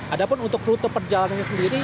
ada pun untuk rute perjalanannya sendiri